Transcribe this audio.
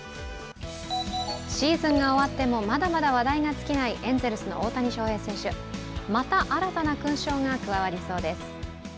シーズンが終わってもまだまだ話題が尽きないエンゼルスの大谷翔平選手また新たな勲章が加わりそうです。